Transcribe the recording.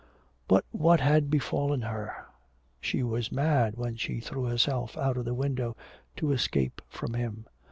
But what had befallen her? She was mad when she threw herself out of the window to escape from him.